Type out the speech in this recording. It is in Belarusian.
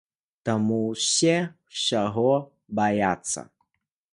Таму ўсе ўсяго баяцца.